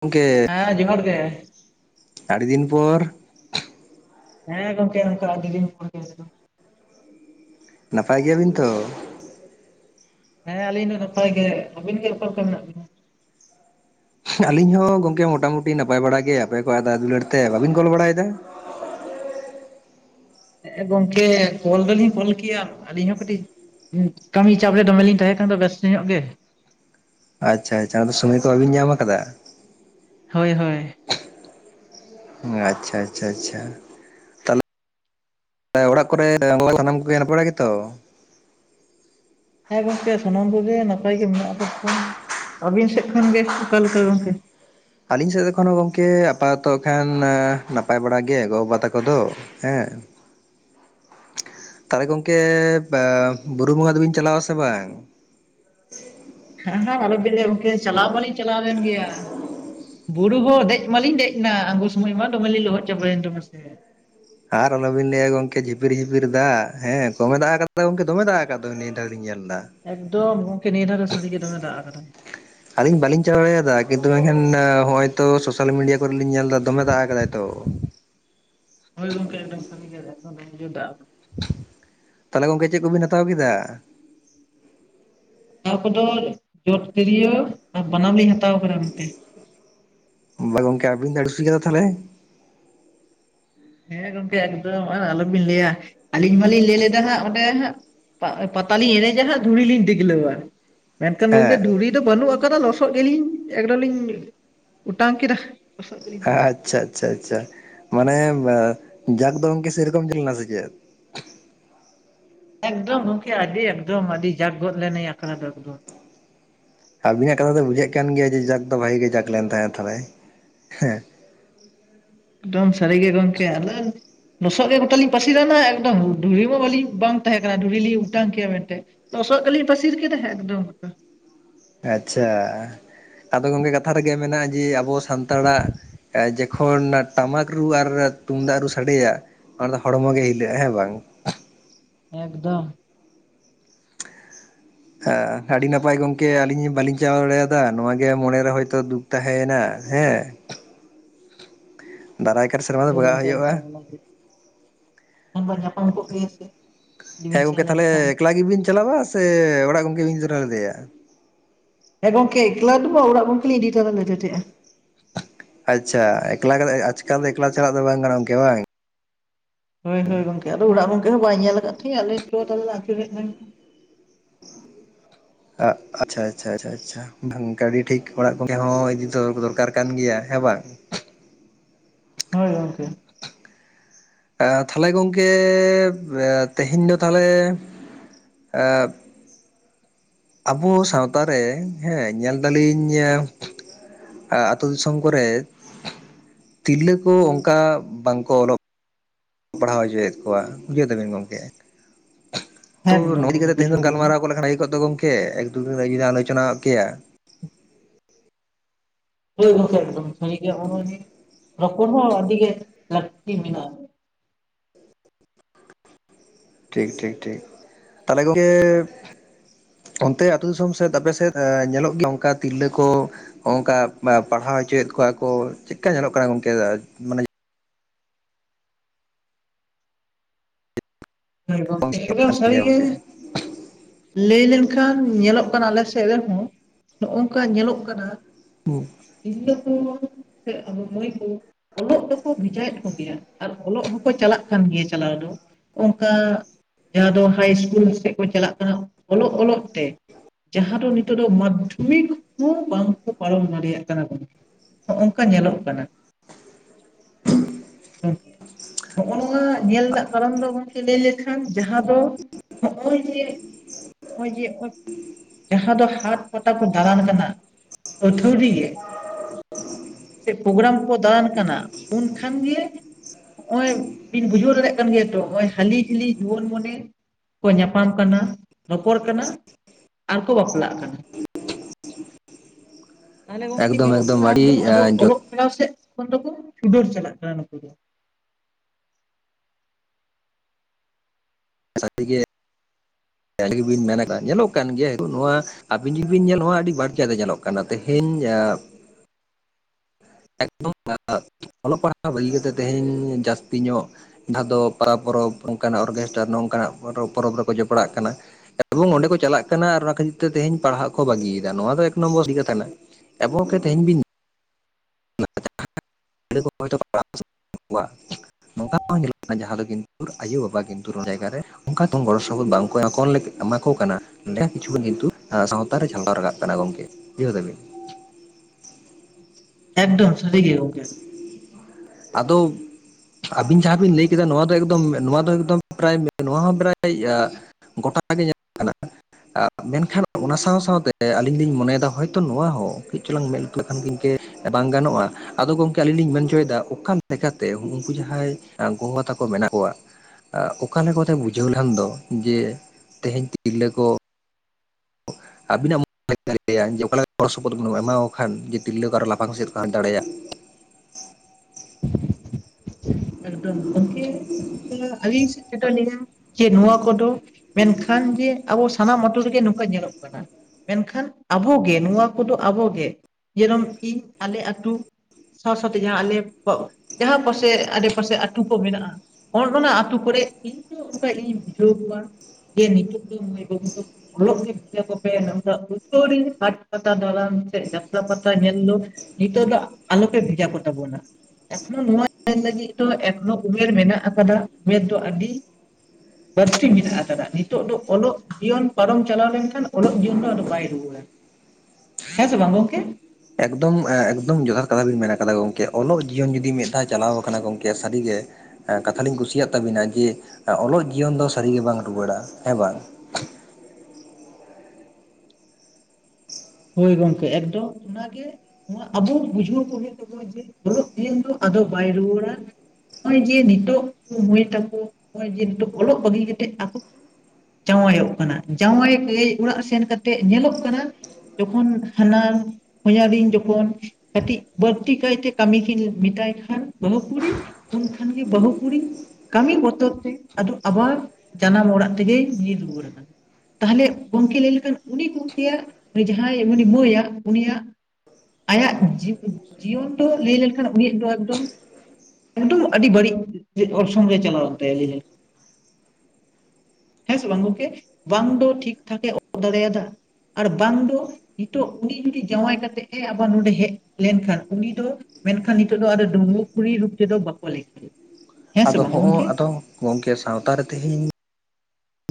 ᱜᱚᱝᱠᱮ ᱦᱮᱸ ᱡᱚᱦᱟᱨ ᱜᱮ᱾ ᱟᱹᱰᱤ ᱫᱤᱱ ᱯᱚᱨ ᱦᱮᱸ ᱜᱚᱢᱠᱮ ᱟᱱᱠᱟ ᱟᱰᱤ ᱫᱤᱱ ᱯᱚᱨᱮ ᱮᱠᱫᱚᱢ ᱱᱟᱯᱟᱭ ᱜᱮᱭᱟᱵᱤᱱ ᱛᱚ? ᱦᱮᱸ ᱟᱹᱞᱤᱧ ᱫᱚ ᱱᱟᱯᱟᱭ ᱜᱮ, ᱟᱹᱵᱤᱱ ᱜᱮ ᱚᱠᱟ ᱞᱮᱠᱟ ᱢᱮᱱᱟᱜ ᱵᱤᱱᱟ? ᱟᱞᱤᱧ ᱦᱚᱸ ᱜᱚᱝᱠᱮ ᱢᱚᱴᱟᱟᱢᱩᱴᱤ ᱱᱟᱯᱟᱭ ᱵᱟᱲᱟᱟᱜ ᱜᱮ ᱟᱯᱮ ᱠᱚᱣᱟᱜ ᱟᱫᱟ ᱫᱩᱞᱟᱹᱲ ᱛᱮ ᱵᱟᱵᱤᱱ ᱠᱚᱞ ᱵᱟᱲᱟᱭ ᱫᱟ? ᱦᱮᱸ ᱜᱚᱝᱠᱮ ᱠᱚᱞ ᱫᱚᱞᱤᱧ ᱠᱚᱞ ᱠᱮᱭᱟ ᱟᱹᱞᱤᱧ ᱦᱚᱸ ᱠᱟᱹᱴᱤᱡ ᱠᱟᱹᱢᱤ ᱪᱟᱯ ᱨᱮ ᱫᱚᱢᱮᱞᱤᱧ ᱛᱟᱦᱮᱸ ᱠᱟᱱᱟᱱ ᱫᱚ ᱵᱮᱥ ᱧᱚᱜ ᱜᱮ᱾ ᱟᱪᱪᱷᱟ ᱟᱪᱪᱷᱟ ᱟᱫᱚ ᱥᱚᱢᱚᱭ ᱠᱚ ᱵᱟᱵᱤᱱ ᱧᱟᱢ ᱠᱟᱫᱟ? ᱦᱳᱭ ᱦᱳᱭ᱾ ᱟᱪᱪᱷᱟ ᱪᱷᱟ ᱪᱷᱟ᱾ ᱚᱲᱟᱜ ᱠᱚᱨᱮ ᱥᱟᱱᱟᱢ ᱠᱚᱜᱮ ᱱᱟᱯᱟ ᱵᱟᱲᱟᱭ ᱜᱮᱛᱚ? ᱦᱮᱸ ᱜᱚᱝᱠᱮ ᱥᱟᱱᱟᱢ ᱠᱚᱜᱮ ᱱᱟᱯᱟᱭ ᱜᱮ ᱢᱮᱱᱟᱜ ᱟᱠᱟᱫ ᱠᱚᱣᱟ ᱟᱹᱵᱤᱱ ᱥᱮᱫ ᱠᱷᱚᱱ ᱜᱮ ᱚᱠᱟᱞᱮᱠᱟ ᱜᱚᱝᱠᱮ? ᱟᱹᱞᱤᱧ ᱥᱮᱫ ᱮᱠᱷᱚᱱᱳ ᱜᱚᱝᱠᱮ ᱟᱯᱟᱛᱚ ᱠᱷᱟᱱ ᱱᱟᱯᱟᱭ ᱵᱟᱲᱟ ᱜᱮ ᱜᱚ ᱵᱟᱵᱟ ᱛᱟᱠᱚ ᱫᱚ ᱦᱮᱸ, ᱛᱟᱦᱚᱞᱮ ᱜᱚᱝᱠᱮ ᱵᱮ ᱵᱩᱨᱩ ᱵᱚᱸᱜᱟ ᱫᱚᱵᱤᱱ ᱪᱟᱞᱟᱜ-ᱟ ᱥᱮ ᱵᱟᱝ? ᱦᱮᱸ ᱦᱮᱸ ᱟᱞᱵᱮᱱ ᱞᱟᱹᱭᱟ ᱜᱚᱝᱠᱮ ᱪᱟᱞᱟᱣ ᱵᱟᱞᱤᱧ ᱪᱟᱞᱟᱣ ᱞᱮᱱ ᱜᱮᱭᱟ ᱵᱩᱨᱩ ᱦᱚᱸ ᱫᱮᱡ ᱢᱟᱞᱤᱧ ᱫᱮᱡ ᱮᱱᱟ ᱟᱝᱜᱚ ᱥᱚᱢᱚᱭ ᱢᱟ ᱫᱚᱢᱮᱞ ᱞᱤᱧ ᱞᱚᱦᱚᱫ ᱪᱟᱵᱟᱭᱮᱱ ᱫᱚᱢᱥᱮ᱾ ᱟᱨ ᱟᱞᱚᱵᱤᱱ ᱞᱟᱹᱭᱟ ᱜᱚᱝᱠᱮ ᱡᱷᱤᱯᱤᱨ ᱡᱷᱤᱯᱤᱨ ᱫᱟᱜ, ᱦᱮᱸ ᱫᱟᱜ ᱟᱠᱟᱫᱟ ᱜᱚᱢᱠ ᱫᱚᱢᱮ ᱫᱟᱜ ᱟᱫ ᱱᱤᱭᱟᱹ ᱫᱷᱟᱟᱜᱤᱧ ᱧᱮᱞ ᱫᱟ᱾ ᱮᱠᱫᱚᱢ ᱜᱚᱝᱠᱮ ᱱᱤᱭᱟ ᱫᱷᱟᱣ ᱫᱟ ᱥᱟᱹᱨᱤ ᱜᱮ ᱫᱚᱢᱮᱭ ᱫᱟᱜ ᱠᱟᱫᱟᱭ᱾ ᱟᱹᱞᱤᱧ ᱵᱟᱞᱤᱧ ᱪᱟᱞᱟᱣ ᱫᱟᱲᱭᱟᱫᱟ ᱠᱤᱱᱛᱩ ᱢᱮᱱᱠᱷᱟᱱ ᱮᱸ ᱦᱚᱭ ᱛᱚ ᱥᱳᱚᱥᱟᱞ ᱢᱤᱰᱤᱭᱟ ᱠᱚᱨᱮ ᱞᱤᱧ ᱧᱮᱞ ᱫᱟ ᱫᱚᱢᱮ ᱫᱟᱜ ᱟᱠᱟᱫᱟᱭ ᱛᱚ ᱾ ᱦᱳᱭ ᱜᱚᱢᱠᱮ [inaudible] ᱫᱚᱢᱮ ᱡᱳᱨ ᱫᱟᱜ ᱛᱟᱦᱚᱞᱮ ᱜᱚᱝᱠᱮ ᱪᱮᱫ ᱠᱚᱵᱤᱱ ᱦᱟᱛᱟᱣ ᱠᱮᱫᱟ? ᱚᱱᱟ ᱠᱚᱫᱚ ᱡᱳᱚᱴ ᱛᱤᱨᱭᱳ ᱟᱨ ᱵᱟᱱᱟᱢ ᱞᱤᱧ ᱦᱟᱛᱟᱣ ᱠᱟᱫᱟ ᱢᱮᱱᱛᱮ ᱾ ᱵᱟ ᱜᱚᱝᱠᱮ ᱟᱵᱤᱱ ᱥᱩᱥᱤᱠᱟ ᱫᱚ ᱛᱟᱦᱚᱞᱮ? ᱦᱮᱸ ᱜᱚᱢᱠᱮ ᱮᱠᱫᱚᱢ ᱟᱨ ᱟᱞᱚᱵᱚᱵᱤᱱ ᱞᱟᱹᱭᱟ, ᱟᱹᱞᱤᱧ ᱢᱟᱞᱤᱧ ᱞᱟᱹᱭ ᱞᱮᱫᱟ ᱦᱟᱸᱜ ᱚᱸᱰᱮ ᱦᱟᱸᱜ ᱯᱟᱜ ᱯᱟᱛᱟᱞᱤᱧ ᱮᱱᱮᱡᱟ ᱦᱟᱸᱜ ᱫᱷᱩᱲᱤ ᱞᱤᱧ ᱴᱰᱤᱜᱞᱟᱹᱣᱟ, ᱢᱮᱱᱠᱷᱟᱱ ᱜᱚᱝᱠᱮ ᱦᱮᱸ ᱫᱷᱩᱲᱤ ᱫᱚ ᱵᱟᱹᱱᱩᱜ ᱟᱠᱟᱫᱟ ᱞᱚᱥᱚᱫ ᱜᱮᱞᱤᱧ ᱮᱠᱫᱚᱢ ᱞᱤᱧ ᱚᱴᱟᱝ ᱠᱮᱫᱟ ᱾ ᱟᱪᱪᱷᱟ ᱪᱷᱟ ᱪᱷᱟ ᱢᱟᱱᱮ ᱡᱟᱠ ᱫᱚ ᱜᱚᱝᱠᱮ ᱥᱮᱨᱚᱠᱚᱢ ᱡᱟᱠ ᱞᱮᱱᱟ ᱥᱮ ᱪᱮᱫ? ᱮᱠᱫᱚᱢ ᱜᱚᱢᱠᱮ ᱟᱹᱰᱤ ᱮᱠᱫᱚᱢ ᱟᱹᱰᱤ ᱡᱟᱜᱽ ᱜᱚᱫ ᱞᱮᱱᱟ ᱮᱠᱲᱟ ᱫᱚ ᱮᱠᱫᱚᱢ᱾ ᱟᱵᱤᱱᱟᱜ ᱠᱟᱛᱷᱟ ᱛᱮ ᱵᱩᱡᱷᱟᱹᱜ ᱠᱟᱱ ᱜᱮᱭᱟ ᱡᱮ ᱡᱟᱠ ᱫᱚ ᱵᱷᱟᱜᱤ ᱜᱮ ᱡᱟᱸᱠ ᱞᱮᱱ ᱛᱟᱦᱮᱸᱱᱟ ᱛᱟᱦᱚᱞᱮ ᱦᱮᱸ᱾ ᱮᱫᱚᱢ ᱥᱟᱹᱨᱤ ᱜᱮ ᱜᱚᱝᱠᱮ ᱟᱫᱚ ᱞᱚᱥᱚᱜ ᱜᱮ ᱜᱚᱴᱟ ᱞᱤᱧ ᱯᱟᱹᱟᱥᱤᱨᱟᱱᱟ ᱮᱠᱫᱚᱢ, ᱫᱷᱩᱫᱲᱤ ᱢᱟ ᱵᱟᱹᱞᱤᱧ ᱵᱟᱝ ᱛᱟᱦᱮᱸ ᱠᱟᱱᱟ ᱰᱩᱲᱤ ᱞᱤᱧ ᱚᱴᱟᱝ ᱠᱮᱭᱟ ᱢᱮᱱᱛᱮ ᱞᱚᱥᱚᱜ ᱜᱮᱞᱤᱝ ᱯᱟᱥᱤᱨ ᱠᱮᱫᱟ ᱮᱠᱫᱚᱢ ᱾ ᱟᱪᱪᱷᱟ ᱟᱫᱚ ᱜᱚᱢᱠᱮ ᱠᱟᱛᱷᱟ ᱨᱮᱜᱮ ᱢᱮᱱᱟᱜᱼᱟ ᱡᱮ ᱟᱵᱚ ᱥᱟᱱᱛᱟᱲᱟᱜ ᱮ ᱡᱚᱠᱷᱚᱱ ᱴᱟᱢᱟᱠ ᱨᱩ ᱟᱨ ᱛᱩᱢᱫᱟᱜ ᱨᱩ ᱥᱟᱰᱮᱭᱟ ᱚᱱᱟ ᱫᱚ ᱦᱚᱲᱢᱚ ᱜᱮ ᱦᱤᱞᱟᱹᱜᱼᱟ ᱦᱮᱸ ᱵᱟᱝ? ᱮᱠᱫᱚᱢ᱾ ᱦᱮᱸ ᱟᱹᱰᱤ ᱱᱟᱯᱟᱭ ᱜᱚᱝᱠᱮ ᱟᱹᱞᱤᱧ ᱵᱟᱹᱞᱤᱧ ᱪᱟᱞᱟᱣ ᱫᱟᱲᱮᱭᱟᱫᱟ ᱱᱚᱣᱟ ᱜᱮ ᱢᱚᱱᱮ ᱨᱮ ᱦᱚᱭᱛᱚ ᱫᱩᱠ ᱛᱟᱦᱮᱸᱭᱮᱱᱟ ᱦᱮᱸ ᱫᱟᱨᱟᱭᱠᱟᱱ ᱥᱮᱨᱢᱟ ᱫᱚ ᱦᱳᱭ ᱵᱟᱜᱟᱜ ᱜᱚᱝᱠᱮ ᱦᱩᱭᱩᱜᱼᱟ ᱾ ᱩᱱ ᱵᱚ ᱧᱟᱯᱟᱢ ᱠᱚ ᱜᱮᱭᱟᱥᱮ ᱦᱮᱸ ᱜᱚᱝᱠᱮ [inaudible] ᱛᱟᱦᱚᱞᱮ ᱮᱠᱞᱟ ᱜᱮᱵᱤᱱ ᱪᱟᱞᱟᱣᱟ ᱥᱮ ᱚᱲᱟᱜ ᱜᱚᱢᱠᱮ ᱵᱤᱱ ᱤᱫᱤ ᱛᱚᱨᱟ ᱞᱮᱫᱮᱭᱟᱜᱼᱟ? ᱦᱮᱸ ᱜᱚᱝᱠᱮ ᱮᱠᱞᱟ ᱫᱚ ᱵᱟᱝ ᱚᱲᱟᱜ ᱜᱟᱡᱠᱮᱞᱤᱧ ᱤᱫᱤ ᱛᱚᱨᱟ ᱞᱮᱫᱮ ᱛᱟᱦᱮᱸᱜᱼᱟ᱾ ᱟᱪᱪᱷᱟ ᱮᱠᱞᱟ ᱟᱪᱠᱟ ᱫᱚ ᱮᱠᱞᱟ ᱪᱟᱞᱟᱜ ᱫᱚ ᱵᱟᱝ ᱜᱚᱝᱠᱮ ᱵᱟᱝ᱾ ᱦᱩᱸ ᱦᱩᱸ ᱜᱚᱝᱠᱮ ᱟᱫᱚ ᱚᱲᱟᱜ ᱜᱚᱝᱠᱮ ᱦᱚᱸ ᱵᱟᱭ ᱧᱮᱞ ᱠᱟᱫ ᱛᱟᱦᱮᱸᱫ ᱟᱞᱮ ᱡᱟᱞᱮ ᱟᱹᱪᱩᱨᱮᱫ ᱦᱮᱡ ᱞᱮᱱ ᱜᱮ᱾ ᱟᱜ ᱟᱪᱪᱷᱟ ᱟᱪᱪᱷᱟ ᱟᱪᱷᱟᱷᱟ ᱜᱟᱹᱰᱤ ᱴᱷᱤᱠ ᱚᱲᱟᱜ ᱠᱚᱜ ᱦᱚᱸ ᱤᱫᱤ ᱫᱚᱨᱠᱟᱨ ᱠᱟᱱ ᱜᱮᱭᱟ ᱦᱮᱸ ᱵᱟᱝ? ᱦᱚᱭ ᱜᱚᱢᱠᱮ ᱛᱟᱦᱚᱞᱮ ᱜᱚᱝᱠᱮ ᱛᱮᱦᱮᱧ ᱫᱚ ᱛᱟᱦᱚᱞᱮ ᱮᱸᱻ ᱟᱵᱚ ᱥᱟᱶᱛᱟ ᱨᱮ ᱦᱮᱸ ᱧᱮᱞ ᱮᱫᱟᱞᱤᱧ ᱟᱛᱳ ᱫᱤᱥᱚᱢ ᱠᱚᱨᱮ ᱛᱤᱨᱞᱟᱹ ᱠᱚ ᱚᱱᱠᱟ ᱵᱟᱝᱠᱚ ᱚᱞᱚᱜ ᱯᱟᱲᱦᱟᱣ ᱦᱚᱪᱚᱭᱮᱫ ᱠᱚᱣᱟ ᱵᱩᱡᱷᱟᱹᱣ ᱫᱟᱹᱵᱤᱱ ᱜᱚᱢᱠᱮᱼᱟ᱾ ᱛᱚ ᱦᱮᱸ ᱮᱠᱫᱚᱢ ᱱᱚᱣᱟ ᱤᱫᱤ ᱜᱚᱝᱠᱮ ᱠᱟᱛᱮ ᱛᱮᱦᱮᱧ ᱵᱩᱡᱷᱟᱹᱣ ᱫᱚ ᱠᱮᱫᱟᱞᱤᱧ ᱜᱟᱞᱢᱟᱨᱟᱣ ᱜᱚᱫ ᱞᱮᱠᱷᱟᱱ ᱵᱷᱟᱜᱮ ᱵᱷᱟᱜᱮ ᱠᱚᱜ ᱫᱚ ᱜᱳᱢᱠᱮ ᱮᱠ ᱫᱩ [inaudible] ᱟᱞᱚᱪᱚᱱᱟ ᱠᱮᱭᱟ᱾ ᱦᱳᱭ ᱜᱚᱢᱠᱮ ᱮᱠᱫᱚᱢ ᱥᱟᱹᱨᱤ ᱜᱮ ᱱᱚᱜ- ᱚ ᱱᱤᱭᱮ ᱨᱚᱯᱚᱲ ᱦᱚᱸ ᱟᱹᱰᱤ ᱜᱮ ᱞᱟᱹᱠᱛᱤ ᱢᱮᱱᱟᱜᱼᱟ ᱾ ᱴᱷᱤᱠ ᱴᱷᱤᱠ ᱴᱷᱤᱠ ᱛᱟᱦᱞᱮ ᱜᱚᱠᱮ ᱚᱱᱛᱮ ᱟᱹᱛᱩ ᱫᱤᱥᱚᱢ ᱥᱮᱫ ᱟᱯᱮᱥᱮᱫ ᱧᱮᱞᱚᱜ ᱜᱮᱭᱟ ᱚᱱᱠᱟ ᱛᱤᱨᱞᱟᱹ ᱠᱚ ᱱᱚᱝᱠᱟ ᱯᱟᱲᱦᱟᱣ ᱦᱚᱪᱚᱭᱮᱫ ᱠᱚᱣᱟ ᱠᱚ ᱪᱮᱫᱠᱟ ᱧᱮᱞᱚᱜ ᱠᱟᱱᱟ ᱜᱚᱝᱠᱮ ᱢᱟᱱᱮ ᱦᱳᱭ ᱜᱚᱢᱠᱮ ᱮᱠᱫᱚᱢ ᱥᱟᱹᱨᱤ ᱜᱮᱭᱟ ᱜᱮ᱾ ᱜᱚᱝᱠᱮ ᱞᱟᱹᱭ ᱞᱮᱱᱠᱷᱟᱱ ᱧᱮᱞᱚᱜ ᱠᱟᱱᱟ ᱟᱞᱮ ᱥᱮᱫ ᱨᱮᱦᱚᱸ ᱱᱚᱜ-ᱚ ᱱᱚᱝᱠᱟ ᱧᱮᱞᱚᱜ ᱠᱟᱱᱟ ᱦᱩᱸ ᱛᱤᱨᱞᱟᱹ ᱠᱚ ᱥᱮ ᱟᱵᱚ ᱢᱟᱹᱭ ᱠᱚ ᱚᱞᱚᱜ ᱫᱚᱠᱚ ᱵᱷᱮᱡᱟᱭᱮᱫ ᱠᱚᱜᱮᱭᱟ ᱟᱨ ᱚᱞᱚᱜ ᱦᱚᱸᱠᱚ ᱪᱟᱞᱟᱜ ᱠᱟᱱ ᱜᱮᱭᱟ ᱪᱟᱞᱟᱣ ᱫᱚ ᱾ ᱚᱱᱠᱟ ᱡᱟᱦᱟᱸ ᱫᱚ ᱦᱟᱭ ᱤᱥᱠᱩᱞ ᱥᱮᱫ ᱠᱚ ᱪᱟᱞᱟᱜ ᱠᱟᱱᱟ ᱚᱞᱚᱜ ᱚᱞᱚᱜ ᱛᱮ᱾ ᱡᱟᱦᱟᱸ ᱫᱚ ᱱᱤᱛᱚᱜ ᱫᱚ ᱢᱟᱫᱽᱫᱷᱚᱢᱤᱠ ᱦᱚᱸ ᱵᱟᱝᱠᱚ ᱯᱟᱞᱚᱱ ᱫᱟᱲᱮᱭᱟᱜ ᱠᱟᱱᱟ ᱜᱚᱢᱠᱮ ᱦᱚᱸᱜ-ᱚᱝᱠᱟ ᱧᱮᱞᱚᱜ ᱠᱟᱱᱟ᱾ ᱦᱚᱜᱼᱚ ᱱᱚᱣᱟ ᱧᱮᱞ ᱨᱮᱱᱟᱜ ᱠᱟᱨᱚᱱ ᱫᱚ ᱵᱟᱝ ᱞᱮᱭ ᱞᱮᱠᱷᱟᱱ ᱡᱟᱦᱟᱸ ᱫᱚ ᱱᱚᱜᱼᱚᱭ ᱡᱮ ᱱᱚᱜᱼᱚᱭ ᱡᱟᱦᱟᱸ ᱫᱚ ᱦᱟᱴ ᱯᱟᱛᱟ ᱠᱚ ᱫᱟᱬᱟᱱ ᱠᱟᱱᱟ ᱟᱹᱛᱷᱟᱹᱲᱤ ᱜᱮ᱾ ᱥᱮ ᱯᱳᱜᱨᱟᱢ ᱠᱚ ᱫᱬᱟᱱ ᱠᱟᱱᱟ ᱩᱱᱠᱷᱟᱱ ᱜᱮ ᱱᱚᱜ ᱚᱚᱭ ᱵᱤᱱ ᱵᱩᱡᱷᱟᱹᱣ ᱫᱟᱲᱮᱭᱟᱜ ᱠᱟᱱ ᱜᱮᱭᱟ ᱛᱚ ᱱᱚᱜᱚᱭ ᱠᱷᱟᱹᱞᱤ ᱠᱷᱟᱹᱞᱤ ᱡᱩᱣᱟᱹᱱ ᱢᱚᱱᱮ ᱠᱚ ᱧᱟᱯᱟᱢ ᱠᱟᱱᱟ ᱨᱚᱯᱚᱲ ᱠᱟᱱᱟ ᱟᱨ ᱠᱚ ᱵᱟᱯᱞᱟᱜ ᱠᱟᱱᱟ, ᱛᱟᱦᱚᱞᱮ ᱜᱚᱝᱠᱮ ᱮᱠᱫᱚᱢ ᱧᱮᱞᱚᱜ ᱮᱠᱫᱚᱢ ᱠᱟᱱᱟ ᱟᱹᱲᱤᱡ ᱟᱫᱚ ᱡᱚᱛ ᱚᱞᱚᱜ ᱯᱟᱲᱦᱟᱣ ᱥᱮᱫ ᱠᱷᱚᱱ ᱫᱚᱠᱚ ᱪᱩᱰᱟᱹᱨ ᱪᱟᱞᱟᱜ ᱠᱟᱱᱟ ᱱᱩᱠᱩ ᱫᱚ ᱥᱟᱨᱤ ᱜᱮ ᱥᱟᱨᱤ ᱜᱮᱵᱤᱱ ᱢᱮᱱ ᱠᱟᱜ ᱧᱮᱞᱚᱜ ᱠᱟᱱ ᱜᱮᱭᱟ ᱱᱤᱛᱳᱜ ᱱᱚᱣᱟ, ᱟᱹᱵᱤᱱ ᱡᱩᱫᱤ ᱵᱤᱱ ᱧᱮᱞᱚᱜ-ᱟ ᱟᱹᱰᱤ ᱵᱟᱲᱛᱤ ᱧᱮᱞᱚᱜ ᱠᱟᱱᱟ ᱛᱮᱦᱮᱧ ᱦᱟᱦᱟᱸ ᱮᱠᱫᱚᱢ [unintelligible] ᱚᱞᱚᱜ ᱯᱟᱲᱦᱟᱜ ᱵᱟᱹᱜᱤ ᱠᱟᱛᱮᱫ ᱛᱮᱦᱮᱧ ᱡᱟᱹᱥᱛᱤ ᱧᱚᱜ ᱵᱷᱟᱫᱚᱵ ᱯᱟᱨᱟ ᱯᱚᱨᱚᱵᱽ ᱚᱱᱠᱟᱱᱟᱜ ᱚᱨᱜᱮᱥᱴᱟᱨ ᱱᱚᱝᱠᱟᱱᱟᱜ ᱯᱚᱨᱚᱵᱽ ᱨᱮᱠᱚ ᱡᱚᱯᱲᱟᱜ ᱠᱟᱱᱟ, ᱮᱵᱚᱝ ᱚᱸᱰᱮ ᱠᱚ ᱪᱟᱞᱟᱜ ᱠᱟᱱᱟ ᱟᱨ ᱚᱱᱟ ᱠᱷᱟᱹᱛᱤᱨ ᱛᱮ ᱛᱮᱦᱮᱧ ᱯᱟᱲᱦᱟᱜ ᱠᱚ ᱵᱟᱹᱜᱤᱭᱮᱫᱟ ᱱᱚᱣᱟ ᱫᱚ ᱮᱠ ᱱᱚᱢᱵᱚᱨ ᱥᱟᱨᱤ ᱠᱟᱛᱷᱟ ᱠᱟᱱᱟ᱾ ᱮᱵᱚᱝᱠᱤ ᱛᱮᱦᱮᱧ ᱵᱤᱱ ᱜᱤᱫᱨᱟᱹ ᱠᱚ ᱦᱚᱭ ᱛᱚ ᱠᱚ ᱯᱟᱲᱦᱟᱜ ᱦᱚᱪᱚᱭᱮ ᱠᱚᱣᱟ ᱱᱚᱝᱠᱟ ᱦᱚᱸ ᱧᱮᱞ ᱡᱟᱦᱟᱸ ᱫᱚ ᱠᱤᱱᱛᱩ ᱟᱭᱳ ᱵᱟᱵᱟ ᱠᱤᱱᱛᱩ ᱚᱱᱟ ᱡᱟᱭᱜᱟ ᱨᱮ ᱚᱱᱠᱟ ᱫᱚ ᱜᱚᱲᱚ ᱥᱚᱯᱚᱦᱚᱫ ᱵᱟᱝᱠᱚ ᱠᱚᱞ ᱞᱟᱜᱤᱫ ᱮᱢᱟ ᱠᱚ ᱠᱟᱱᱟ᱾ ᱚᱸᱰᱮ ᱠᱤᱪᱷᱩ ᱜᱮ ᱠᱤᱱᱛᱩ ᱥᱟᱶᱛᱟᱨ ᱨᱮ ᱡᱷᱟᱞᱠᱟᱣ ᱨᱟᱠᱟᱵ ᱠᱟᱱᱟ ᱜᱚᱢᱠᱮ ᱵᱩᱡᱷᱟᱹ ᱮᱫᱟᱵᱤᱱ᱾ ᱮᱫᱚᱢ ᱥᱟᱹᱨᱤ ᱜᱮ ᱜᱳᱢᱠᱮ, ᱟᱫᱚ ᱟᱵᱤᱱ ᱡᱟᱦᱟᱸ ᱵᱤᱱ ᱞᱟᱹᱭ ᱠᱮᱫᱟ ᱱᱚᱣᱟ ᱫᱚ ᱮᱠᱚᱢ ᱱᱚᱣᱟ ᱫᱚ ᱮᱠᱫ ᱯᱨᱟᱭ ᱱᱚᱣᱟ ᱦᱚᱸ ᱯᱨᱟᱭ-ᱟ ᱜᱚᱴᱟ ᱜᱮ ᱧᱮᱞᱚᱜ ᱠᱟᱱᱟ ᱢᱮᱱᱠᱷᱟᱱ ᱚᱱᱟ ᱥᱟᱶ ᱥᱟᱶᱛᱮ ᱟᱹᱞᱤᱧ ᱞᱤᱧ ᱢᱚᱱᱮᱫᱟ ᱦᱚᱭᱛᱳ ᱱᱚᱣᱟ ᱦᱚᱸ ᱠᱟᱹᱡ ᱪᱚᱞᱟᱝ ᱢᱮᱸᱫ ᱞᱩᱛᱩᱨ ᱞᱮ ᱠᱷᱟᱱ ᱜᱤᱱᱠᱮ ᱮ ᱵᱟᱝ ᱜᱟᱱᱚᱜ-ᱟ᱾ ᱟᱫᱚ ᱜᱚᱝᱠᱮ ᱟᱹᱞᱤᱧ ᱞᱤᱧ ᱢᱮᱱ ᱦᱚᱪᱚᱭᱮᱫᱟ ᱚᱠᱟ ᱞᱮᱠᱟᱛᱮ ᱩᱱᱠᱩ ᱡᱟᱦᱟᱸᱭ ᱜᱚᱝᱠᱟ ᱛᱟᱠᱚ ᱢᱮᱱᱟᱜ ᱠᱚᱣᱟ, ᱚᱠᱟ ᱞᱮᱠᱟ ᱛᱮ ᱵᱩᱡᱷᱟᱹᱣ ᱞᱟᱱ ᱫᱚ ᱡᱮ ᱛᱮᱦᱮᱧ ᱛᱤᱨᱞᱟᱹ ᱠᱚ ᱟᱹᱵᱤᱱᱟᱜ ᱢᱚᱱ ᱪᱮᱫᱭᱟ ᱞᱟᱹᱭ-ᱟ ᱚᱠᱟᱞᱟ ᱜᱚᱲᱚ ᱥᱚᱯᱚᱦᱚᱫ ᱵᱚᱱ ᱮᱢᱟ ᱠᱚ ᱠᱷᱟᱱ ᱡᱮ ᱛᱤᱨᱞᱟᱹ ᱠᱚ ᱟᱨᱦᱚᱸ ᱞᱟᱯᱷᱟᱝ ᱥᱮᱫ ᱠᱚ ᱦᱟᱱ ᱫᱟᱲᱮᱭᱟᱜ, ᱮᱠᱫᱚᱢ ᱜᱚᱢᱠᱮ ᱟᱹᱞᱤᱧ ᱥᱮᱫ ᱛᱮᱫᱚᱭ ᱞᱮᱭᱟ ᱡᱮ ᱱᱚᱣᱟ ᱠᱚᱫᱚ, ᱢᱮᱱᱠᱷᱟᱱ ᱡᱮ ᱟᱵᱚ ᱥᱟᱱᱟᱢ ᱟᱛᱳ ᱨᱮᱜᱮ ᱱᱚᱝᱠᱟ ᱧᱮᱞᱚᱜ ᱠᱟᱱᱟ᱾ ᱢᱮᱱᱠᱷᱟᱱ ᱟᱵᱚᱜᱮ ᱱᱚᱣᱟ ᱠᱚᱫᱚ ᱟᱵᱚᱜᱮ ᱢᱮᱨᱚᱢ ᱤᱧ ᱟᱞᱮ ᱟᱹᱛᱩ ᱥᱟᱶ ᱥᱟᱶ ᱛᱮ ᱡᱟᱦᱟᱸ ᱟᱞᱮ ᱡᱟᱦᱟᱸ ᱯᱟᱥᱮ ᱟᱨᱮ ᱯᱟᱥᱮᱡ ᱟᱹᱛᱩ ᱠᱚ ᱢᱮᱱᱟᱜ-ᱟ ᱚᱱ ᱚᱱᱟ ᱟᱹᱛᱩ ᱠᱚᱨᱮ ᱤᱧᱦᱚᱸ ᱚᱱᱠᱟ ᱤᱧ ᱵᱩᱡᱷᱟᱹᱣ ᱠᱚᱣᱟ᱾ ᱡᱮ ᱱᱤᱛᱚᱜ ᱫᱚ ᱢᱟᱹᱭ ᱵᱟᱵᱩ ᱛᱟᱠᱚ ᱚᱞᱚᱜ ᱜᱮ ᱵᱷᱮᱡᱟ ᱠᱚᱯᱮ ᱱᱚᱝᱠᱟ ᱳᱛᱷᱳᱲᱤ ᱦᱟᱴᱯᱟᱛᱟ ᱫᱟᱲᱟᱱ ᱪᱮᱛ ᱡᱟᱛᱨᱟ ᱯᱟᱛᱟ ᱧᱮᱞ ᱫᱚ ᱱᱤᱛᱚᱜ ᱫᱚ ᱟᱞᱚᱯᱮ ᱵᱷᱮᱡᱟ ᱠᱚᱛᱟ ᱵᱚᱱᱟ ᱮᱠᱷᱚᱱᱚ ᱱᱚᱣᱟ ᱧᱮᱞ ᱞᱟᱹᱜᱤᱫ ᱮᱠᱷᱱᱚ ᱩᱢᱮᱨ ᱢᱮᱱᱟᱜ ᱟᱠᱟᱫᱟ ᱩᱢᱮᱨ ᱫᱚ ᱟᱹᱰᱤ ᱵᱟᱲᱛᱤ ᱢᱮᱱᱟᱜ ᱟᱠᱟᱫᱟ ᱱᱤᱛᱚᱜ ᱫᱚ ᱚᱞᱚᱜ ᱡᱤᱭᱚᱱ ᱯᱟᱨᱚᱢ ᱪᱟᱞᱟᱣ ᱞᱮᱱᱠᱷᱟᱱ ᱚᱞᱚᱜ ᱡᱤᱭᱚᱱ ᱫᱚ ᱟᱫᱚ ᱵᱟᱭ ᱨᱩᱣᱟᱹᱲᱟ᱾ ᱦᱮᱸ ᱥᱮ ᱵᱟᱝ ᱜᱚᱝᱠᱮ? ᱮᱠᱫᱚᱢ ᱮᱠᱫᱚᱢ ᱡᱚᱛᱷᱟᱛ ᱠᱟᱛᱷᱟ ᱵᱤᱱ ᱢᱮᱱ ᱠᱟᱫᱟ ᱜᱚᱝᱠᱮ ᱚᱞᱚᱜ ᱡᱤᱭᱚᱱ ᱡᱩᱫᱤ ᱢᱮᱫ ᱫᱷᱟᱣ ᱪᱟᱞᱟᱣ ᱟᱠᱟᱱᱟ ᱜᱚᱝᱠᱮ ᱥᱟᱹᱨᱤᱜᱮ ᱦᱮᱸ ᱠᱟᱛᱷᱟᱞᱤᱧ ᱠᱩᱥᱤᱭᱟᱜ ᱛᱟᱵᱤᱱᱟ ᱡᱮ ᱚᱞᱚᱜ ᱡᱤᱭᱚᱱ ᱫᱚ ᱥᱟᱹᱨᱤᱜ ᱜᱮ ᱵᱟᱝ ᱨᱩᱣᱟᱹᱲᱟ ᱦᱮᱸ ᱵᱟᱝ, ᱦᱳᱭ ᱜᱚᱝᱠᱮ ᱮᱠᱫᱚᱢ ᱚᱱᱟᱜᱮ ᱱᱚᱣᱟ ᱟᱵᱚ ᱵᱩᱡᱷᱟᱹᱣ ᱠᱚ ᱦᱩᱭᱩᱜ ᱛᱟᱵᱚᱱᱟ ᱡᱮ ᱚᱞᱚᱜ ᱫᱚ ᱟᱫᱚ ᱵᱟᱭ ᱨᱩᱣᱟᱹᱲᱟ ᱱᱚᱜ-ᱚᱭ ᱡᱮ ᱱᱤᱛᱚᱜ ᱢᱟᱹᱭ ᱛᱟᱠᱚ ᱱᱚᱜ-ᱚᱭ ᱡᱮ ᱱᱤᱛᱚᱜ ᱚᱞᱚᱜ ᱵᱟᱹᱜᱤ ᱠᱟᱛᱮᱜ ᱟᱠᱚ ᱡᱟᱶᱟᱭᱚᱜ ᱠᱟᱱᱟ᱾ ᱡᱟᱶᱟᱭ ᱠᱟᱹᱭ ᱚᱲᱟᱜ ᱥᱮᱱ ᱠᱟᱛᱮᱫ ᱧᱮᱞᱚᱜ ᱠᱟᱱᱟ ᱡᱚᱠᱷᱚᱱ ᱦᱟᱱᱟᱨ ᱦᱚᱧᱦᱟᱨᱤᱧ ᱡᱚᱠᱷᱚᱱ ᱠᱟᱹᱴᱤᱡ ᱵᱟᱹᱲᱛᱤ ᱠᱟᱭᱛᱮ ᱠᱟᱹᱢᱤ ᱠᱤᱱ ᱢᱮᱛᱟᱭ ᱠᱷᱟᱱ ᱵᱟᱹᱦᱩ ᱠᱩᱲᱤ ᱩᱱᱠᱷᱟᱱ ᱜᱮ ᱵᱟᱹᱦᱩ ᱠᱩᱲᱤ ᱠᱟᱹᱢᱤ ᱵᱚᱛᱚᱨ ᱛᱮ ᱟᱫᱚ ᱟᱵᱟᱨ ᱡᱟᱱᱟᱢ ᱚᱲᱟᱜ ᱛᱮᱜᱮ ᱧᱤᱨ ᱨᱩᱣᱟᱹᱲ ᱟᱠᱟᱱᱟ᱾ ᱛᱟᱦᱚᱞᱮ ᱜᱚᱝᱠᱮ ᱞᱟᱹᱭ ᱞᱮᱠᱷᱟᱱ ᱩᱱᱤ ᱠᱩᱝᱠᱤᱭᱟᱜ ᱡᱟᱦᱟᱸᱭ ᱩᱱᱤ ᱢᱟᱹᱭᱟ ᱩᱱᱤᱭᱟᱜ ᱟᱭᱟᱜ ᱡᱤᱭᱚᱱ ᱫᱚ ᱞᱟᱹᱭ ᱞᱮᱱᱠᱷᱟᱱ ᱩᱱᱤᱭᱟᱜ ᱫᱚ ᱮᱠᱫᱚᱢ ᱮᱠᱫᱚᱢ ᱟᱹᱰᱤ ᱵᱟᱹᱲᱤᱡ ᱚᱨᱥᱚᱝ ᱨᱮ ᱪᱟᱞᱟᱣ ᱠᱟᱱ ᱛᱟᱭᱟ ᱞᱮᱤᱞᱮᱱ ᱦᱮᱸ ᱥᱮ ᱵᱟᱝ ᱜᱚᱝᱠᱮ ᱵᱟᱝᱫᱚ ᱴᱷᱤᱠ ᱴᱷᱟᱠ ᱮ ᱚᱞᱚ ᱫᱟᱲᱮᱭᱟᱫᱟ, ᱟᱨ ᱵᱟᱝ ᱫᱚ ᱱᱤᱛᱚᱜ ᱩᱱᱤ ᱡᱩᱫᱤ ᱡᱟᱶᱟᱭ ᱠᱟᱛᱮᱜ ᱮ ᱟᱵᱟᱨ ᱱᱚᱸᱰᱮ ᱦᱮᱡ ᱞᱮᱱᱠᱷᱟᱱ ᱩᱱᱤ ᱫᱚ ᱢᱮᱱᱠᱷᱟᱱ ᱱᱤᱛᱚᱜ ᱫᱚ ᱟᱫᱚ ᱰᱩᱸᱜᱣᱟᱹᱠᱩᱲᱤ ᱨᱩᱯ ᱛᱮᱫᱚ ᱵᱟᱠᱚ ᱞᱮᱠᱷᱟ ᱮᱭᱟ᱾ ᱟᱫᱚ ᱦᱚᱜ ᱟᱫᱚ ᱜᱚᱝᱠᱮ ᱥᱟᱶᱛᱟ ᱨᱮ ᱛᱮᱦᱮᱧ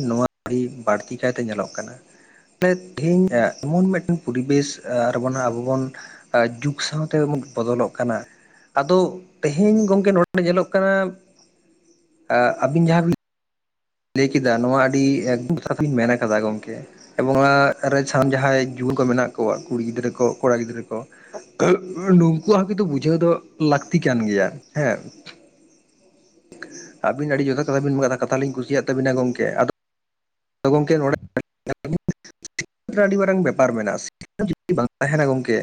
ᱱᱚᱣᱟ ᱟᱹᱰᱤ ᱵᱟᱹᱲᱛᱤ ᱠᱟᱭᱛᱮ ᱧᱮᱞᱚᱜ ᱠᱟᱱᱟ᱾ ᱛᱮᱦᱤᱧ ᱮ ᱮᱢᱚᱱ ᱢᱤᱫᱴᱟᱱ ᱯᱚᱨᱤᱵᱮᱥ ᱟᱨ ᱮ ᱚᱱᱟ ᱟᱵᱚ ᱵᱩᱱ ᱡᱩᱜᱽ ᱥᱟᱶᱛᱮ ᱵᱚᱫᱚᱞᱚᱜ ᱠᱟᱱᱟ ᱟᱫᱚ ᱛᱮᱦᱮᱧ ᱜᱚᱝᱠᱮ ᱱᱚᱸᱰᱮ ᱧᱮᱞᱚᱜ ᱠᱟᱱᱟ ᱟᱹᱵᱤᱱ ᱡᱟᱦᱟᱸᱤᱱ ᱞᱟᱹᱭ ᱠᱮᱴᱤᱫᱟ ᱱᱚᱣᱟ ᱟᱹᱰᱤ [unintelligible] ᱢᱮᱱ ᱟᱠᱟᱫᱟ ᱜᱚᱢᱠᱮ ᱮᱵᱚᱝ ᱚᱱᱟ ᱨᱮ ᱥᱷᱟᱢ ᱡᱟᱦᱟᱸᱭ ᱡᱩᱣᱟᱹᱱ ᱠᱚ ᱢᱮᱱᱟᱜ ᱠᱚᱣᱟ ᱠᱩᱲᱤ ᱜᱤᱫᱽᱨᱟᱹ ᱠᱚ ᱠᱚᱲᱟ ᱜᱤᱫᱽᱨᱟᱹ ᱠᱚ, ᱱᱩᱝᱩᱣᱟᱜ ᱦᱚᱸ ᱠᱤᱱᱛᱩ ᱵᱩᱡᱷᱟᱹᱣ ᱫᱚ ᱞᱟᱹᱠᱛᱤ ᱠᱟᱱ ᱜᱮᱭᱟ ᱦᱮᱸᱼᱼ ᱟᱹᱵᱤᱱ ᱟᱹᱰᱤ ᱡᱚᱛᱷᱟᱛ ᱠᱟᱛᱷᱟ ᱵᱤᱱ ᱢᱮᱱ ᱠᱟᱛᱷᱟ ᱞᱤᱧ ᱠᱩᱥᱤᱭᱟᱜ ᱛᱟᱹᱵᱤᱱᱟ ᱜᱚᱝᱠᱮ᱾ ᱟ ᱜᱚᱢᱠᱮ ᱚᱲᱟᱜ [unintelligible] [unintelligible] ᱟᱹᱰᱤ ᱢᱟᱨᱟᱝ ᱵᱮᱯᱟᱨ ᱢᱮᱱᱟᱜᱼᱟ ᱥᱤᱴ ᱡᱩᱫᱤ ᱵᱟᱝ ᱛᱟᱦᱮᱱᱟ ᱜᱚᱢᱠᱮ,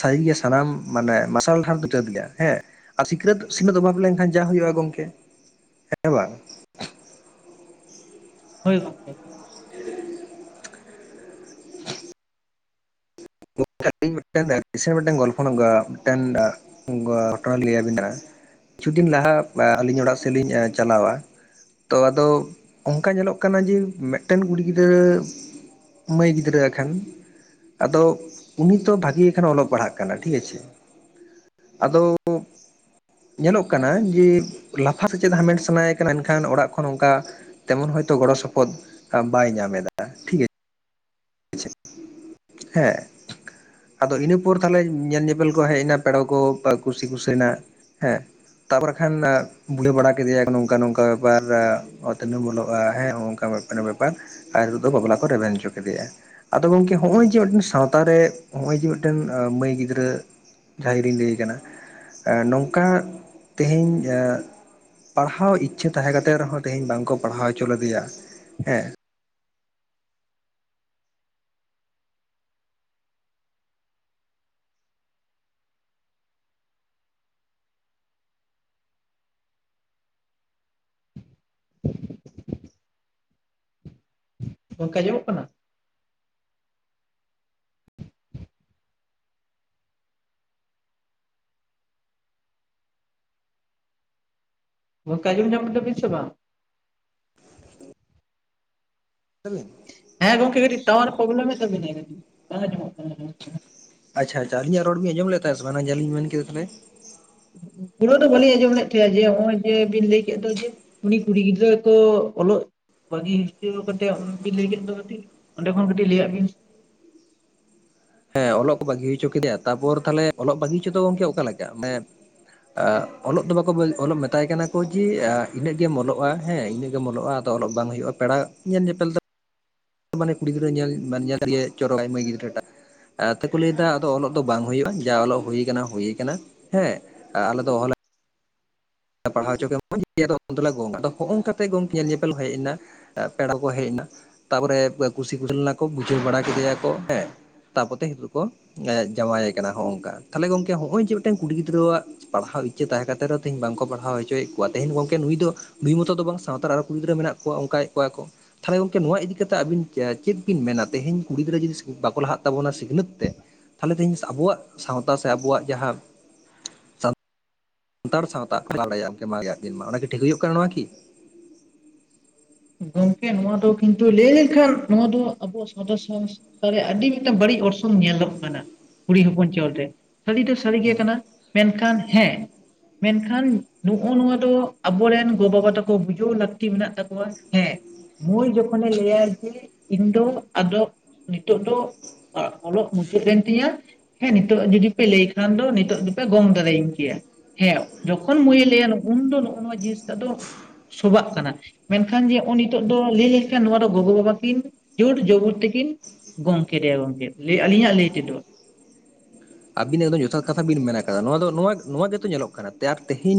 ᱥᱟᱹᱨᱤᱜᱮ ᱥᱟᱱᱟᱢ ᱢᱟᱱᱮ ᱢᱟᱨᱥᱟᱞ ᱰᱟᱦᱟᱨᱪᱟᱹ ᱫ ᱜᱮᱭᱟ ᱦᱮᱸ ᱟᱨ ᱥᱤᱠᱷᱱᱟᱹᱛ ᱥᱤᱠᱷᱱᱟᱹᱛ ᱚᱵᱷᱟᱵ ᱞᱮᱱᱠᱷᱟᱱ ᱡᱟᱳᱼᱟ ᱜᱚᱝᱠᱮ ᱦᱮᱸ ᱵᱟᱝ᱾ ᱦᱳᱭ ᱜᱚᱝᱠᱮ ᱢᱤᱫᱴᱮᱱ ᱜᱚᱞᱯᱷᱚ ᱱᱝᱠᱟ ᱢᱤᱫᱴᱮᱱ ᱟ-ᱼ ᱜᱷᱚᱴᱱᱟᱞᱤᱧ ᱞᱟᱹᱭᱹ ᱵᱤᱱᱟ ᱠᱤᱪᱷᱩ ᱫᱤᱱ ᱞᱟᱦᱟ ᱟᱹᱞᱤᱧ ᱚᱲᱟᱜ ᱥᱮᱫ ᱞᱤᱧ ᱪᱟᱞᱟᱣᱟ ᱛᱚ ᱟᱫᱚ ᱚᱱᱠᱟ ᱧᱮᱞᱚᱜ ᱠᱟᱱᱟ ᱡᱮ ᱢᱤᱫᱴᱮᱱ ᱠᱩᱲᱤ ᱜᱤᱫᱽᱨᱟᱹ ᱢᱟᱹᱭ ᱜᱤᱫᱽᱨᱟᱹ ᱠᱷᱟᱱ ᱟᱫᱚ ᱟᱫᱚ ᱩᱱᱤ ᱛᱚ ᱵᱷᱟᱜᱮ ᱠᱷᱟᱱ ᱚᱞᱚᱜ ᱯᱟᱲᱦᱟᱜ ᱠᱟᱱᱟ ᱴᱷᱤᱠ ᱟᱪᱷᱮ ᱟᱫᱚ ᱧᱮᱞᱚᱜ ᱠᱟᱱᱟ ᱡᱮ ᱞᱟᱯᱷᱟ ᱥᱮᱪᱮᱫ ᱦᱟᱢᱮᱴ ᱥᱟᱱᱟᱭᱮ ᱠᱟᱱᱟ ᱮᱱᱠᱷᱟᱱ ᱚᱲᱟᱜ ᱠᱷᱚᱱ ᱚᱱᱠᱟ ᱛᱮᱢᱚᱱ ᱦᱚᱭᱛᱚ ᱜᱚᱲᱚ ᱥᱚᱯᱚᱦᱚᱫ ᱵᱟᱭ ᱧᱟᱢ ᱮᱫᱟ᱾ ᱦ ᱴᱷᱤᱠᱟᱹᱭ ᱦᱮᱸ ᱟᱫᱚ ᱤᱱᱟᱹ ᱯᱚᱨ ᱛᱟᱦᱞᱮ ᱧᱮᱞ ᱧᱮᱯᱮᱞ ᱠᱚ ᱦᱮᱡ ᱮᱱᱟ ᱯᱮᱲᱟᱚ ᱠᱚ ᱠᱩᱥᱤᱠᱩᱥᱟᱹᱮᱱᱟ ᱦᱮᱸ ᱛᱟᱯᱚᱨᱮ ᱠᱷᱟᱱ ᱵᱩᱞᱣ ᱵᱟᱲᱟ ᱠᱮᱫᱮᱭᱟᱭ ᱱᱚᱝᱠᱟ ᱱᱚᱝᱠᱟ ᱵᱮᱯᱟᱨ ᱚᱛᱱᱟᱹᱜ ᱵᱚᱞᱚᱜᱼᱟ ᱦᱮᱸ, ᱱᱚᱝᱠᱟ ᱵᱮᱯᱟᱨ ᱟᱨ ᱦᱤᱞᱳᱜ ᱫᱚ ᱵᱟᱯᱞᱟ ᱠᱚ ᱨᱮᱵᱷᱮᱱ ᱦᱚᱪᱚ ᱠᱮᱫᱮᱭᱟ᱾ ᱟᱫᱚ ᱜᱚᱝᱠᱮ ᱦᱚᱸᱜᱼᱚᱭ ᱮ ᱢᱤᱫᱴᱟᱝ ᱥᱟᱶᱛᱟ ᱨᱮ ᱱᱚᱜᱼᱚᱭ ᱡᱮ ᱢᱤᱫᱴᱮᱱ ᱢᱟᱹᱭ ᱜᱤᱫᱽᱨᱟᱹ ᱡᱟᱦᱲᱭ ᱨᱤᱧ ᱞᱟᱹᱭ ᱠᱟᱱᱟ, ᱱᱚᱝᱠᱟ ᱛᱮᱦᱮᱧ ᱯᱟᱲᱦᱟᱣ ᱤᱪᱪᱷᱟᱹ ᱛᱟᱦᱮᱸ ᱠᱟᱛᱮ ᱨᱮᱦᱚᱸ ᱛᱮᱦᱮᱧ ᱵᱟᱝᱠᱚ ᱯᱟᱲᱦᱟᱣ ᱦᱚᱪᱚ ᱞᱮᱫᱮᱭᱟ ᱦᱮᱸᱼᱼ ᱚᱱᱠᱟ ᱡᱚᱢᱚᱜ ᱠᱟᱱᱟ᱾ ᱜᱚᱢᱠᱮ ᱟᱡᱚᱢ ᱧᱟᱢ ᱫᱟᱵᱤᱥ ᱵᱟᱝ? ᱟᱵᱤᱱ [unintelligible] ᱦᱮᱸ ᱜᱚᱝᱠᱮ ᱠᱟᱹᱴᱤᱡ ᱴᱟᱣᱟᱨ ᱯᱨᱚᱵᱞᱮᱢ ᱮ ᱛᱟᱱᱟᱭ ᱵᱟᱝ ᱟᱡᱚᱢᱚᱜᱼᱼ ᱟᱪᱪᱷᱟ ᱟᱪᱪᱷᱟ ᱞᱤᱧᱟᱜ ᱨᱚᱲ ᱵᱮᱤᱱ ᱟᱡᱚᱢ ᱞᱮᱫᱟ ᱥᱮ ᱵᱟᱝ ᱡᱮᱞᱞᱤᱧ ᱢᱮᱱ ᱠᱮᱫᱟ ᱛᱟᱞᱮ? ᱯᱩᱨᱟᱹ ᱫᱚ ᱵᱟᱹᱞᱤᱧ ᱟᱸᱡᱚᱢ ᱞᱮᱫ ᱛᱟᱦᱮᱸᱱᱟ ᱡᱮ ᱱᱚᱜᱼᱚᱭ ᱡᱮ ᱵᱤᱱ ᱞᱟᱹᱭ ᱠᱮᱫ ᱫᱚ ᱡᱮᱼᱼ ᱩᱱᱤ ᱠᱩᱲᱤ ᱜᱤᱫᱽᱨᱟᱹ ᱛᱚ ᱚᱞᱚᱜ ᱵᱷᱟᱜᱤ ᱦᱚᱪᱟᱹ ᱠᱟᱛᱮᱮᱫ ᱞᱟᱹᱭ ᱠᱮᱫ ᱫᱚᱴ? ᱚᱸᱰᱮ ᱠᱷᱚᱱ ᱠᱟᱹᱴᱤᱡ ᱞᱟᱹᱭᱟᱜ ᱵᱤᱱ? ᱦᱮᱸ ᱚᱞᱚᱜ ᱠᱚ ᱵᱟᱹᱜᱤ ᱦᱚᱪᱚ ᱠᱮᱫᱮᱭᱟ ᱛᱟᱨᱯᱚᱨ ᱛᱟᱦᱞᱮ ᱚᱞᱚᱜ ᱵᱟᱹᱜᱤ ᱦᱚᱪᱚᱚᱝᱠᱮ ᱚᱠᱟ ᱞᱮᱠᱟ? ᱢᱟᱱᱮᱼᱼ ᱚᱞᱚᱜ ᱫᱚ ᱵᱟᱠᱚ ᱚᱞᱚᱜ ᱢᱮᱛᱟᱭ ᱠᱟᱱᱟ ᱠᱚ ᱡᱮ ᱤᱱᱟᱹᱜ ᱜᱮᱢ ᱚᱞᱚᱜᱼᱟ ᱦᱮᱸ ᱤᱱᱟᱹᱜ ᱜᱮᱢ ᱚᱞᱚᱜᱼᱟ᱾ ᱚᱞᱚᱜ ᱵᱟᱝ ᱦᱩᱭᱩᱜᱼᱟ ᱯᱮᱲᱟ ᱧᱮᱞ ᱧᱮᱯᱮᱞ ᱫᱚᱼᱼ ᱢᱟᱱᱮ ᱠᱩᱲᱤ ᱜᱤᱫᱽᱨᱟᱹ ᱧᱮᱞ ᱧᱮᱞᱜᱮ ᱪᱚᱨᱚᱠᱟᱭ ᱢᱟᱹᱭ ᱜᱤᱫᱽᱨᱟᱹ ᱴᱟᱜᱼᱼ ᱠᱚ ᱞᱟᱹᱭᱫᱟ ᱟᱫᱚ ᱚᱞᱚᱜ ᱫᱚ ᱵᱟᱝ ᱦᱩᱭᱩᱜᱼᱟ ᱡᱟ ᱚᱞᱚᱜ ᱦᱩᱭᱩ ᱠᱟᱱᱟ ᱦᱩᱭ ᱠᱟᱱᱟ ᱦᱮᱸ ᱟᱞᱮ ᱫᱚ ᱚᱦᱚᱞᱮᱼᱼ ᱯᱟᱲᱦᱟᱣᱪᱚᱮ ᱢᱚᱡᱽ [unintelligible] ᱜᱚᱝ ᱟ ᱦᱚᱜᱼᱚᱭᱚᱝᱠᱟᱛᱮ ᱜᱚᱝᱠ ᱧᱮᱞ ᱧᱮᱯᱮᱞ ᱦᱮᱡ ᱮᱱᱟ᱾ ᱯᱮᱲᱟ ᱠᱚ ᱦᱮᱡ ᱱᱟ ᱛᱟᱨᱯᱚᱨᱮ ᱠᱩᱥᱤ ᱠᱩᱥ ᱞᱮᱱᱟ ᱠᱚ ᱵᱩᱡᱷᱟᱹᱣ ᱵᱟᱲᱟ ᱠᱮᱫᱮᱭᱟᱠᱚ ᱦᱮᱸ ᱛᱟᱯᱚᱛᱮ ᱱᱤᱛᱚᱜ ᱠᱚ ᱡᱟᱶᱟᱭ ᱠᱟᱱᱟ ᱦᱚᱜᱝᱠᱟ ᱛᱟᱦᱚᱞᱮ ᱜᱚᱝᱠᱮ ᱦᱚᱜᱼᱚᱭ ᱡᱮ ᱢᱤᱫᱴᱮᱱ ᱠᱩᱲᱤ ᱜᱤᱫᱽᱨᱟᱹᱣᱟᱜᱼᱼ ᱯᱟᱲᱦᱟᱣ ᱤᱪᱪᱟᱹ ᱛᱟᱦᱮᱸ ᱠᱟᱛᱮ ᱨᱮᱦ ᱛᱦᱧ ᱵᱟᱝ ᱠᱚ, ᱠᱚ ᱯᱟᱲᱦᱟᱣ ᱦᱚᱪᱚᱭᱮᱫ ᱠᱚᱣᱟ ᱛᱮᱦᱮᱧ ᱜᱚᱢᱠᱮ ᱱᱩᱭ ᱫᱚ ᱵᱷᱩᱭ ᱢᱚᱛᱚ ᱫᱚ ᱵᱟᱝ ᱥᱟᱶᱟᱨ ᱟᱨᱚ ᱠᱩᱲ ᱜᱤᱫᱽᱨᱟᱹ ᱢᱮᱱᱟᱜ ᱠᱚᱣᱟ ᱚᱱᱠᱟᱭᱮᱫ ᱠᱚᱣᱟ ᱠᱚ ᱛᱟᱦᱚᱞᱮ ᱜᱚᱝᱠᱮ ᱱᱚᱣᱟ ᱤᱫᱤᱠᱟ ᱠᱟᱛᱮᱜ ᱟᱵᱤᱱ ᱪᱮᱫ ᱵᱤᱱ ᱢᱮᱱᱟ ᱛᱮᱦᱤᱧ ᱠᱩᱲᱤ ᱜᱤᱫᱽᱨᱟᱹ ᱡᱩᱫᱤ ᱵᱟᱠᱚ ᱞᱟᱦᱟᱜ ᱛᱟᱵᱚᱱᱟ ᱥᱤᱠᱷᱱᱟᱹᱛ ᱛᱮ ᱛᱟᱦᱚᱞᱮ ᱛᱮᱦᱮᱧ ᱟᱵᱚᱣᱟᱜ ᱥᱟᱶᱛᱟ ᱥᱮ ᱟᱵᱚᱣᱟᱜ ᱡᱟᱦᱟᱸ? ᱥᱟᱱᱛᱟᱲ ᱥᱟᱶᱛᱟ [unintelligible] ᱢᱟᱨᱭᱟᱜ ᱫᱤᱱ ᱢᱟ ᱚᱱᱟᱠᱤ ᱴᱷᱤᱠ ᱦᱩᱭᱩᱜ ᱠᱟᱱᱟ ᱱᱚᱣᱟ ᱠᱤ? ᱜᱚᱝᱠᱮ ᱱᱚᱣᱟ ᱫᱚ ᱠᱤᱱᱛᱩ ᱞᱟᱹᱭ ᱞᱮᱠᱷᱟᱱ ᱱᱚᱣᱟ ᱫᱚ ᱟᱵᱚ ᱥᱚᱫᱚᱨ ᱛᱟᱦᱚᱞᱮ ᱟᱹᱰᱤ ᱢᱤᱫᱴᱟᱝ ᱵᱟᱹᱲᱤᱡ ᱚᱨᱥᱚᱝ ᱧᱮᱞᱚᱜ ᱠᱟᱱᱟ ᱠᱩᱲᱤ ᱦᱚᱯᱚᱱ ᱪᱚᱞ ᱨᱮ᱾ ᱥᱟᱹᱨᱤ ᱫᱚ ᱥᱟᱹᱨᱤ ᱜᱮ ᱠᱟᱱᱟ ᱢᱮᱱ ᱠᱷᱟᱱ ᱦᱮᱸᱼᱼ ᱢᱮᱱ ᱠᱷᱟᱱ ᱱᱚᱜᱼᱚ ᱱᱚᱣᱟ ᱫᱚ ᱟᱵᱚᱨᱮᱱ ᱜᱚ ᱵᱟᱵᱟ ᱛᱟᱠᱚ ᱵᱩᱡᱷᱟᱹᱣ ᱞᱟᱹᱠᱛᱤ ᱢᱮᱱᱟᱜ ᱛᱟᱠᱚᱣᱟ᱾ ᱦᱮᱸ ᱢᱩᱭ ᱡᱚᱠᱷᱚᱱᱮ ᱞᱟᱹᱭᱟᱭ ᱡᱮ ᱤᱧ ᱫᱚ ᱟᱫᱚ ᱱᱤᱛᱚᱜ ᱫᱚ ᱚᱞᱚᱜ ᱢᱩᱪᱟᱹᱫ ᱮᱱ ᱛᱤᱧᱟ᱾ ᱦᱮᱸ ᱱᱤᱛᱚᱜ ᱡᱩᱫᱤ ᱯᱮ ᱞᱟᱹᱭ ᱠᱷᱟᱱ ᱫᱚ ᱱᱤᱛᱚᱜ ᱫᱚᱯᱮ ᱜᱚᱝ ᱫᱟᱲᱮᱭᱟᱹᱧ ᱠᱮᱭᱟ᱾ ᱦᱮᱸ ᱡᱚᱠᱷᱚᱱ ᱢᱟᱹᱭᱮ ᱞᱟᱹᱭᱟ ᱩᱱᱫᱚ ᱱᱚᱜᱼᱚ ᱱᱚᱣᱟ ᱡᱤᱱᱤᱥ ᱴᱟᱜ ᱫᱚ ᱥᱚᱵᱟᱜ ᱠᱟᱱᱟ ᱢᱮᱱᱠᱷᱟᱱ ᱢᱮᱱᱠᱷᱟᱱ ᱡᱮ ᱱᱚᱜᱼᱚ ᱱᱤᱛᱚᱜ ᱫᱚ ᱞᱟᱹᱭ ᱞᱮᱱᱠᱷᱟᱱ ᱱᱚᱣᱟ ᱫᱚ ᱜᱚᱜᱚ ᱵᱟᱵᱟ ᱠᱤᱱ ᱡᱳᱨ ᱡᱳᱵᱚᱨ ᱛᱮᱠᱤᱱ ᱜᱚᱢᱠᱮᱭᱟ ᱜᱚᱢᱠᱮ ᱞᱟᱹᱭ ᱟᱹᱞᱤᱧᱟᱜ ᱞᱟᱹᱭ ᱛᱮᱫᱚ᱾ ᱟᱵᱤᱱᱟᱜ ᱫᱚ ᱡᱚᱛᱷᱟᱛ ᱠᱟᱛᱷᱟ ᱵᱤᱱ ᱢᱮᱱ ᱠᱟᱫᱟ ᱱᱚᱣᱟ ᱫᱚ ᱱᱚᱣᱟ ᱜᱮᱛᱚ ᱧᱮᱞᱚᱜ ᱠᱟᱱᱟ ᱟᱨ ᱛᱮᱦᱮᱧ